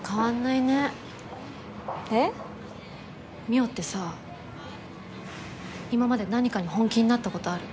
望緒ってさ今まで何かに本気になった事ある？